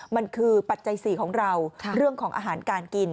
มันคือปัจจัย๔ของเราเรื่องของอาหารการกิน